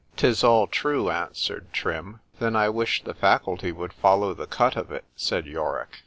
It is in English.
—'Tis all true, answered Trim.—Then I wish the faculty would follow the cut of it, said _Yorick.